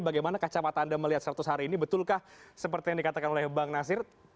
bagaimana kacamata anda melihat seratus hari ini betulkah seperti yang dikatakan oleh bang nasir